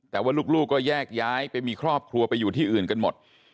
แต่ว่าลูกก็แยกย้ายไปมีครอบครัวไปอยู่ที่อื่นกันหมด